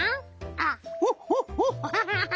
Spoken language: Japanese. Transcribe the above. アッホッホッホッホハハハ。